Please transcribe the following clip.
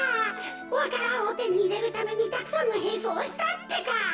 わか蘭をてにいれるためにたくさんのへんそうをしたってか。